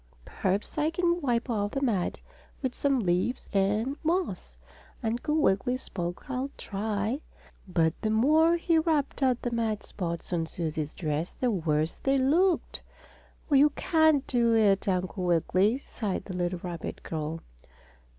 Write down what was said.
"Perhaps I can wipe off the mud with some leaves and moss," Uncle Wiggily spoke. "I'll try." But the more he rubbed at the mud spots on Susie's dress the worse they looked. "Oh, you can't do it, Uncle Wiggily!" sighed the little rabbit girl.